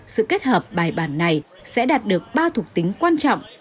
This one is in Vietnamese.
sự kết hợp bài bản này sẽ đạt được ba thục tính quan trọng